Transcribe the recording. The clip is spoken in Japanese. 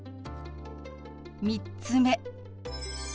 ３つ目。